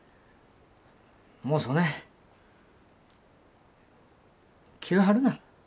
もうそねん気を張るな。